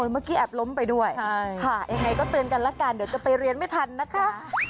เมื่อกี้แอบล้มไปด้วยใช่ค่ะยังไงก็เตือนกันละกันเดี๋ยวจะไปเรียนไม่ทันนะคะ